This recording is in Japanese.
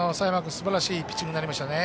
すばらしいピッチングになりましたね。